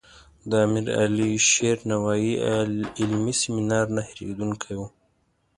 د امیر علي شیر نوایي علمي سیمینار نه هیریدونکی و.